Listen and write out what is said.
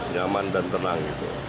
nyaman dan tenang